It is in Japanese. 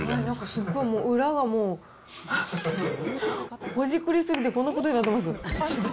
すごいもう、裏がもう、ほじくり過ぎてこんなことになってます。